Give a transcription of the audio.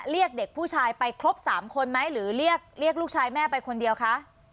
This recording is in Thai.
เรียกเด็กผู้ชายไปครบ๓คนไหมหรือเรียกลูกชายแม่ไปคนเดียวคะ